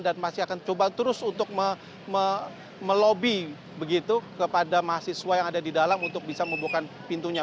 dan masih akan coba terus untuk melobi begitu kepada mahasiswa yang ada di dalam untuk bisa membukakan pintunya